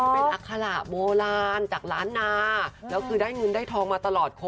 เป็นอัคระโบราณจากล้านนาแล้วคือได้เงินได้ทองมาตลอด